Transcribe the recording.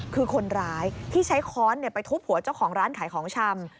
คือคนร้ายที่ใช้ค้อนไปทุบหัวเจ้าของร้านขายของชำ